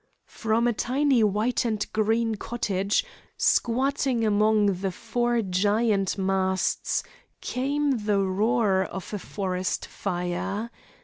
From a tiny white and green cottage, squatting among the four giant masts, came the roar of a forest fire.